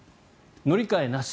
乗り換えなし。